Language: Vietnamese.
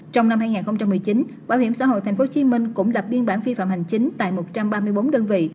trong năm hai nghìn một mươi chín bảo hiểm xã hội tp hcm cũng lập biên bản vi phạm hành chính tại một trăm ba mươi bốn đơn vị